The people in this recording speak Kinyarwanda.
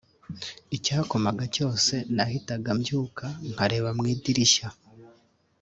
Icyakomaga cyose nahitaga mbyuka nkareba mu idirishya